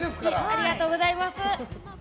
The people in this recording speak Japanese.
ありがとうございます。